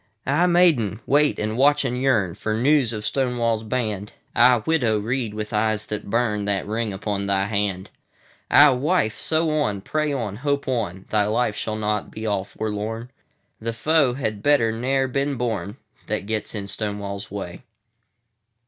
Ah, Maiden! wait and watch and yearnFor news of Stonewall's band. Ah, Widow! read, with eyes that burn, That ring upon thy hand. Ah, Wife! sew on, pray on, hope on! Thy life shall not be all forlorn. The foe had better ne'er been born, That gets in Stonewall's Way.